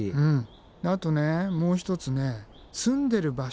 あとねもう一つ住んでる場所。